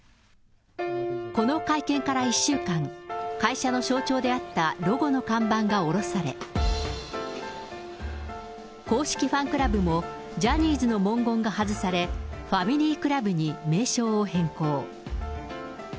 この会見から１週間、会社の象徴であったロゴの看板が下ろされ、公式ファンクラブもジャニーズの文言が外され、ファミリークラブに名称を変更。